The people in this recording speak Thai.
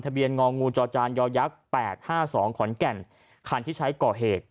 ทะเบียนงงจยย๘๕๒ขอนแก่นคันที่ใช้ก่อเหตุ